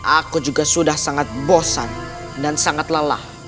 aku juga sudah sangat bosan dan sangat lelah